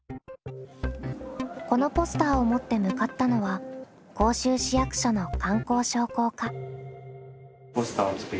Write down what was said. このポスターを持って向かったのは甲州市役所の観光商工課。